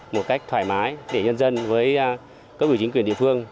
một cách thoải mái để nhân dân với các vị chính quyền địa phương